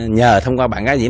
nhờ thông qua bạn gái diễm